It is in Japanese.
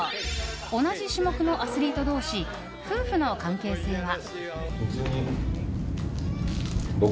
同じ種目のアスリート同士夫婦の関係性は。